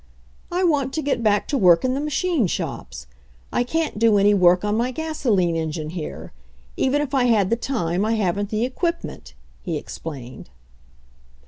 "I want to get back to work in the machine shops. I can't do any work on my gasoline en gine here. Even if I had the time I haven't the equipment," he explained.